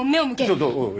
ちょっとおい。